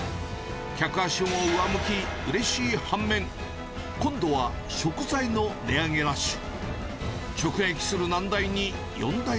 客足も上向き、うれしい反面、今度は食材の値上げラッシュ。